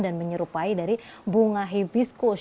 dan menyerupai dari bunga hibiscus